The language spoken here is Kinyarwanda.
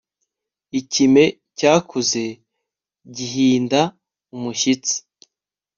ikime cyakuze gihinda umushyitsi